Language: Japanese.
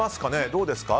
どうですか。